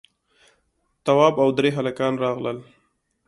تواب او درې هلکان راغلل.